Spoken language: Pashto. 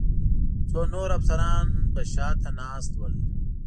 څو نور افسران به شا ته ناست ول.